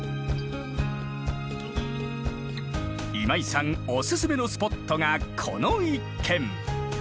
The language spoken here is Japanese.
今井さんおすすめのスポットがこの一軒。